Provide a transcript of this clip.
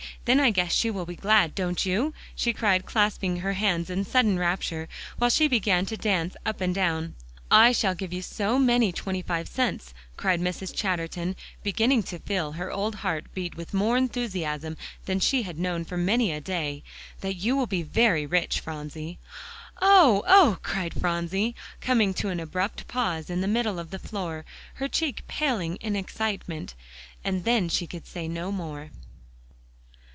Then I guess she will be glad, don't you?" she cried, clasping her hands in sudden rapture, while she began to dance up and down. "I shall give you so many twenty five cents," cried Mrs. Chatterton, beginning to feel her old heart beat with more enthusiasm than she had known for many a day, "that you will be very rich, Phronsie." "Oh oh!" cried Phronsie, coming to an abrupt pause in the middle of the floor, her cheek paling in excitement. And then she could say no more.